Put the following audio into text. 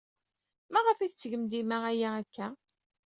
Maɣef ay tettgem dima aya akka?